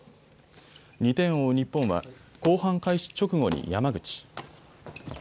２点を追う日本は後半開始直後に山口。